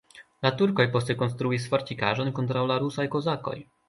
La turkoj poste konstruis fortikaĵon kontraŭ la rusaj kozakoj.